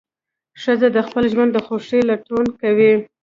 ښځه د خپل ژوند د خوښۍ لټون کوي.